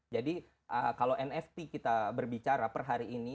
jadi kalau nft kita berbicara per hari ini